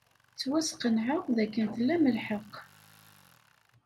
Ttwasqenɛeɣ dakken tlam lḥeqq.